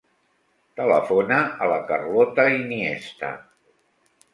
Telefona a la Carlota Iniesta.